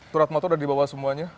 turat motor udah dibawa semuanya